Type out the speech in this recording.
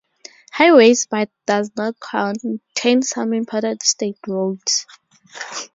Highways, but does contain some important state roads.